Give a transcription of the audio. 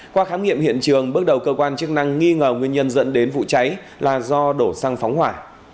qua khám nghiệm hiện trường bước đầu cơ quan chức năng nghi ngờ nguyên nhân dẫn đến vụ cháy là do đổ xăng phóng hỏa